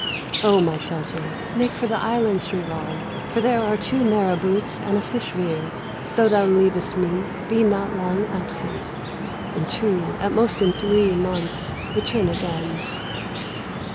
Oh, my shelter! make for the island, Sri Rama; For there are two marabouts and a fish weir. Though thou leavest me, be not long absent; In two, at most in three, months, return again.